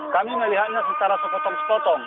kami melihatnya secara sepotong sepotong